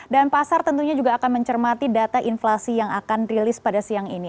dan pasar tentunya juga akan mencermati data inflasi yang akan rilis pada siang ini